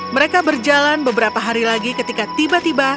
mereka berjalan beberapa hari lagi ketika tiba tiba